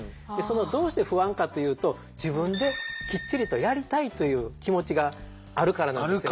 どうして不安かというと自分できっちりとやりたいという気持ちがあるからなんですよ。